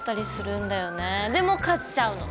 でも買っちゃうの。